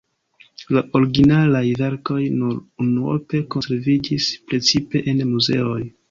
La originalaj verkoj nur unuope konserviĝis, precipe en muzeoj.